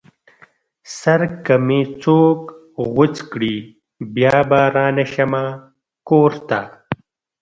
سر که مې څوک غوڅ کړې بيا به رانشمه کور ته